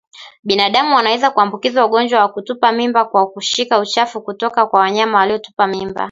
Binadamu anaweza kuambukizwa ugonjwa wa kutupa mimba kwa kushika uchafu kutoka kwa wanyama waliotupa mimba